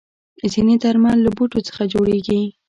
ځینې درمل له بوټو څخه جوړېږي.